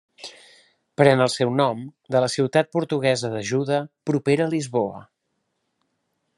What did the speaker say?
Pren el seu nom de la ciutat portuguesa d'Ajuda, propera a Lisboa.